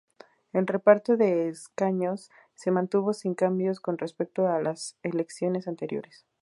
El reparto de escaños se mantuvo sin cambios con respecto a las elecciones anteriores.